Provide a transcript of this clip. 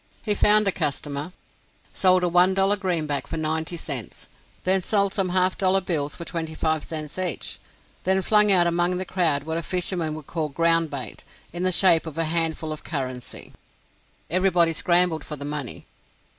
He found a customer; sold a one dollar greenback for ninety cents; then sold some half dollar bills for twenty five cents each; then flung out among the crowd what a fisherman would call ground bait, in the shape of a handful of "currency." Everybody scrambled for the money.